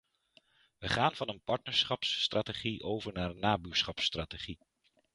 Wij gaan van een partnerschapsstrategie over naar een nabuurschapsstrategie.